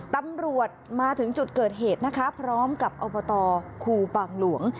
ตำรวจมาถึงจุดเกิดเหตุนะคะพร้อมกับอบตครูบางหลวง